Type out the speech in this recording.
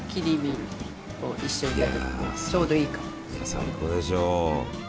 最高でしょう。